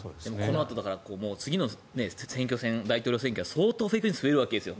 このあと次の選挙戦大統領選挙は相当フェイクニュースが増えるわけですよ。